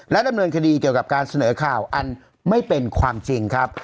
ดำเนินคดีเกี่ยวกับการเสนอข่าวอันไม่เป็นความจริงครับ